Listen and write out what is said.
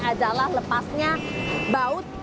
adalah lepasnya baut